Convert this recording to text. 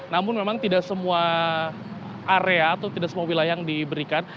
namun memang tidak semua area atau tidak semua wilayah yang diberikan